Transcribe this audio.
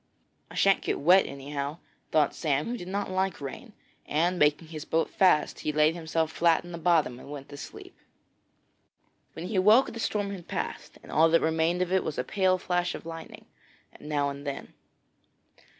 'I shan't get wet, anyhow,' thought Sam, who did not like rain, and, making his boat fast, he laid himself flat in the bottom and went to sleep. When he awoke the storm had passed, and all that remained of it was a pale flash of lightning now and then.